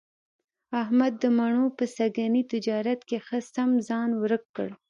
احمد د مڼو په سږني تجارت کې ښه سم ځان ورک کړ.